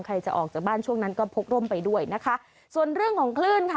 ใครจะออกจากบ้านช่วงนั้นก็พกร่มไปด้วยนะคะส่วนเรื่องของคลื่นค่ะ